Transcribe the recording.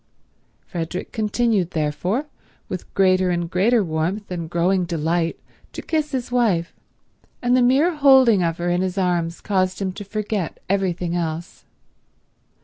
Frederick continued, therefore, with greater and greater warmth and growing delight to kiss his wife, and the mere holding of her in his arms caused him to forget everything else.